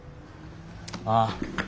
ああ。